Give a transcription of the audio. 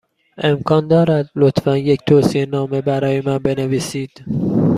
امکان دارد، لطفا، یک توصیه نامه برای من بنویسید؟